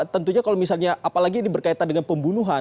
tentunya kalau misalnya apalagi ini berkaitan dengan pembunuhan